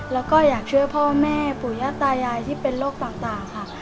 แล้วก็อยากช่วยพ่อแม่ปู่ย่าตายายที่เป็นโรคต่างค่ะ